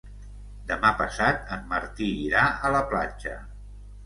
Demà passat en Martí irà a la platja.